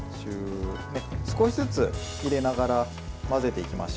少しずつ入れながら混ぜていきましょう。